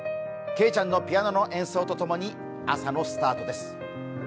けいちゃんのピアノの演奏と共に朝のスタートです。